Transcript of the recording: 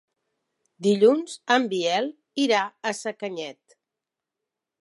Dilluns en Biel irà a Sacanyet.